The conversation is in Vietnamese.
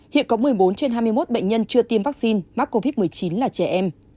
hiện có một mươi bốn trên hai mươi một bệnh nhân chưa tiêm vaccine mắc covid một mươi chín là trẻ em